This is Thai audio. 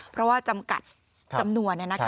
เพราะว่าจำกัดจำนวน